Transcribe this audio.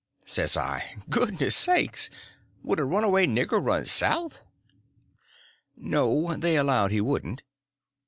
Says I: "Goodness sakes! would a runaway nigger run south?" No, they allowed he wouldn't.